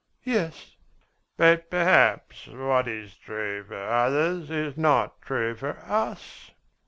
"Yes." "But perhaps what is true for others is not true for us?"